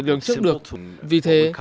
đường trước được vì thế